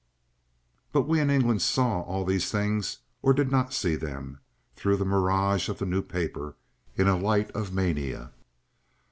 .. But we in England saw all these things, or did not see them, through the mirage of the New Paper, in a light of mania.